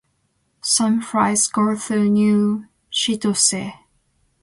Some flights go through New Chitose.